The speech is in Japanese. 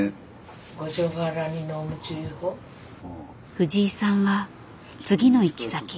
藤井さんは次の行き先